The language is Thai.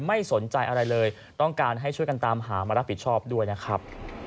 ไม่สนใจอะไรเลยต้องการให้ช่วยกันตามหามารับผิดชอบด้วยนะครับ